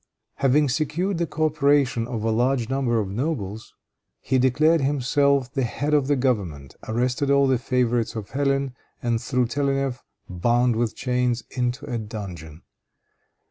Having secured the coöperation of a large number of nobles, he declared himself the head of the government, arrested all the favorites of Hélène, and threw Telennef, bound with chains, into a dungeon.